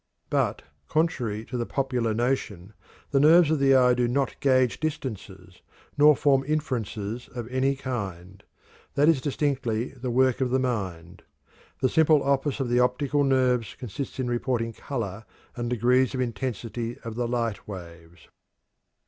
But, contrary to the popular notion, the nerves of the eye do not gauge distances, nor form inferences of any kind; that is distinctly the work of the mind. The simple office of the optical nerves consists in reporting color and degrees of intensity of the light waves.